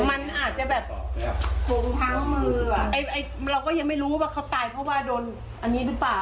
มันอาจจะแบบผมพังมืออ่ะไอ้เราก็ยังไม่รู้ว่าเขาตายเพราะว่าโดนอันนี้หรือเปล่า